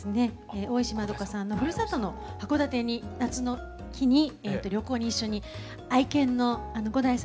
大石まどかさんのふるさとの函館に夏の日に旅行に一緒に愛犬の伍代さんの愛犬のりく君も一緒に。